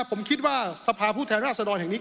ผมคิดว่าสภาพุทธภาคมูระสลอยศ์แห่งนี้